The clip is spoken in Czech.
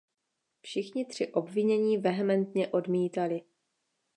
Všichni tři obvinění vehementně odmítali.